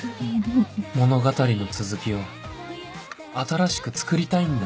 物語の続きを新しく作りたいんだ